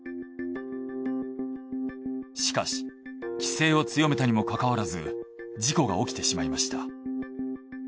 しかし規制を強めたにもかかわらず事故が起きてしまいました。